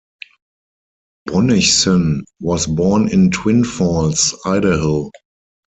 Bonnichsen was born in Twin Falls, Idaho.